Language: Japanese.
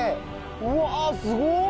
うわっすごい！